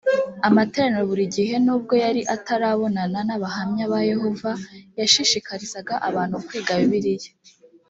amateraniro buri gihe nubwo yari atarabonana n abahamya ba yehova yashishikarizaga abantu kwiga bibiliya